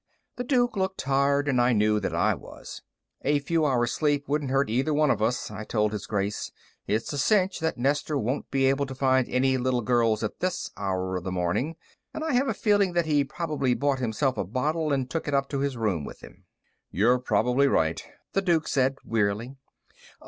The Duke looked tired, and I knew that I was. "A few hours sleep wouldn't hurt either one of us," I told His Grace. "It's a cinch that Nestor won't be able to find any little girls at this hour of the morning, and I have a feeling that he probably bought himself a bottle and took it up to his room with him." "You're probably right," the Duke said wearily.